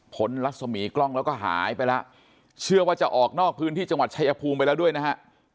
รัศมีกล้องแล้วก็หายไปแล้วเชื่อว่าจะออกนอกพื้นที่จังหวัดชายภูมิไปแล้วด้วยนะฮะ